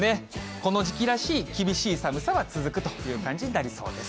この時期らしい、厳しい寒さは続くという感じになりそうです。